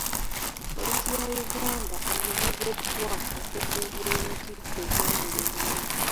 Poliisi ya Uganda enenyezeddwa okugumbulula enkiiko ez'emirembe.